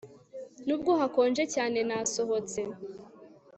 Nubwo hakonje cyane nasohotse